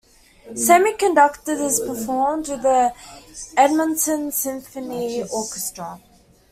"Semi-Conducted" is performed with the Edmonton Symphony Orchestra.